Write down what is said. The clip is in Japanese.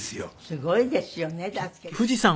すごいですよねだって。